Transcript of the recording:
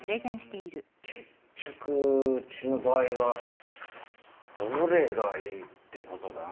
結局うちの場合はどれがいいってことだ？